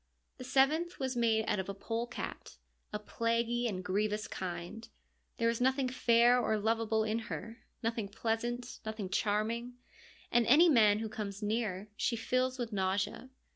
The seventh was made out of a polecat, a plaguy and a grievous kind. There is nothing fair or lovable in her, nothing pleasant, nothing charming, and any man who comes near she fills with nausea.